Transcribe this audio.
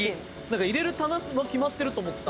入れる棚は決まってると思った。